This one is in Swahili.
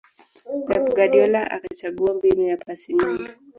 pep guardiola akachagua mbinu ya pasi nyingi